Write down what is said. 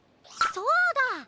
そうだ！